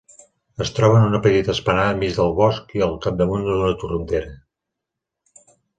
Es troba en una petita esplanada enmig del bosc i al capdamunt d'una torrentera.